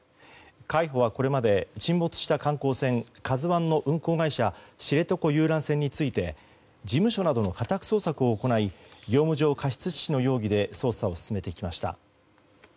海保はこれまで沈没した観光船「ＫＡＺＵ１」の運航会社、知床遊覧船について事務所のなどの家宅捜索を行い業務上過失致死の容疑で捜査を進めてきました。